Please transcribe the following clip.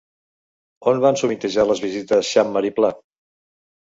On van sovintejar les visites Xammar i Pla?